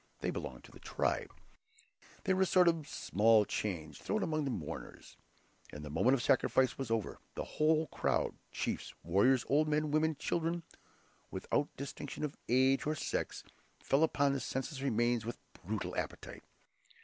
They belong to the tribe; they were a sort of small change thrown among the mourners, and the moment the sacrifice was over, the whole crowd, chiefs, warriors, old men, women, children, without distinction of age, or sex, fell upon the senseless remains with brutal appetite.